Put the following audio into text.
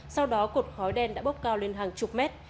sau đó cột khói đen đã bốc cao lên hàng chục mét